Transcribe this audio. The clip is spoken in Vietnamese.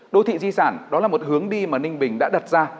đô thị di sản đó là một hướng đi mà ninh bình đã đặt ra